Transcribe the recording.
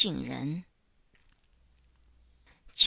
CHAP.